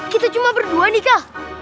kita cuma berdua nih kak